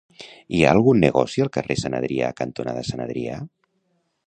Hi ha algun negoci al carrer Sant Adrià cantonada Sant Adrià?